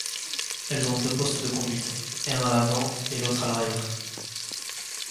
Elles ont deux postes de conduites, un à l'avant et l'autre à l'arrière.